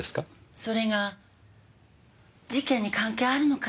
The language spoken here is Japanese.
それが事件に関係あるのかしら？